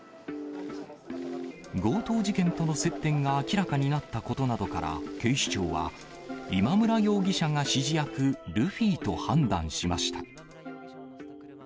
強盗事件との接点が明らかになったことなどから、警視庁は今村容疑者が指示役、ルフィと判断しました。